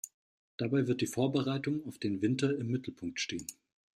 Dabei wird die Vorbereitung auf den Winter im Mittelpunkt stehen.